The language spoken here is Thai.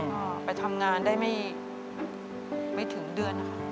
เอ้าไปทำงานได้ไม่ถึงเดือนค่ะ